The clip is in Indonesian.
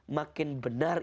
makin benar ibadah seseorang